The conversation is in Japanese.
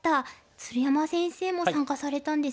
鶴山先生も参加されたんですよね。